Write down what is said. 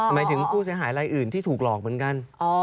หมายถึงผู้เสียหายรายอื่นที่ถูกหลอกเหมือนกัน